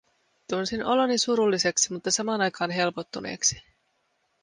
Tunsin oloni surulliseksi, mutta samaan aikaan helpottuneeksi.